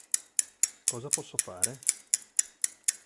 Cosa posso fare?